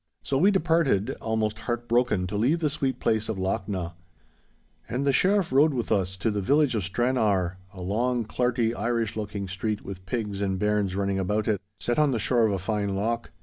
So we departed, almost heart broken to leave the sweet place of Lochnaw. And the Sheriff rode with us to the village of Stranrawer—a long, clarty, Irish looking street with pigs and bairns running about it, set on the shore of a fine loch.